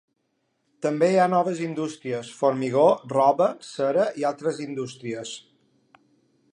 També hi ha noves indústries: formigó, roba, cera i altres indústries.